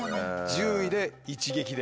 １０位で一撃で。